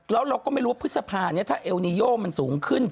แล้วเราก็ไม่รู้ว่าพฤษภานี้ถ้าเอลนิโยมันสูงขึ้น